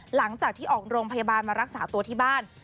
หลังจากที่ออกโรงพยาบาลมารักษาตัวที่บ้าน